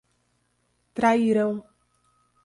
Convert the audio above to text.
Trairão